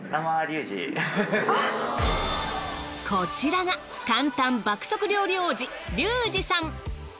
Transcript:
こちらが簡単爆速料理王子リュウジさん。